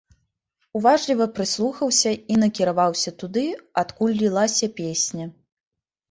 Уважліва прыслухаўся і накіраваўся туды, адкуль лілася песня.